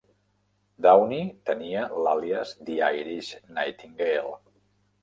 Downey tenia l"àlies "The Irish Nightingale".